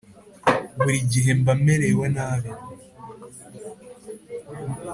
buri gihe mba merewe nabi.